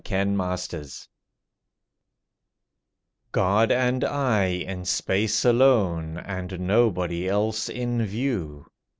ILLUSION God and I in space alone And nobody else in view.